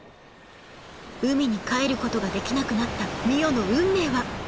海に帰ることができなくなった海音の運命は？